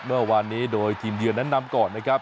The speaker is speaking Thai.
เมื่อวานนี้โดยทีมเยือนนั้นนำก่อนนะครับ